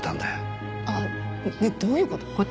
あっねえどういう事？